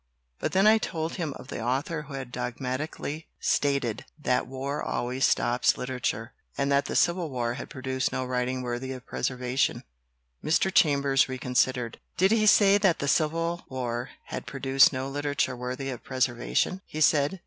But when I told him of the author who had dogmatical ly stated that war always stops literature, and that the Civil War had produced no writing wor thy of preservation, Mr. Chambers reconsidered. "Did he say that the Civil War had produced no literature worthy of preservation?" he said.